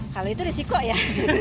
kalau itu risiko ya